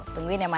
tungguin ya ma